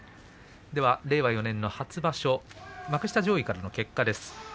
令和４年の初場所幕下上位からの結果です。